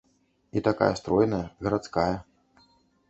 І такая стройная, гарадская.